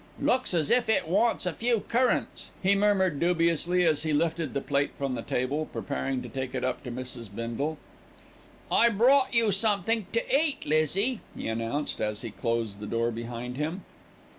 "Looks as if it wants a few currants," he murmured dubiously, as he lifted the plate from the table, preparatory to taking it up to Mrs. Bindle. "I brought you somethink to eat, Lizzie," he announced, as he closed the door behind him.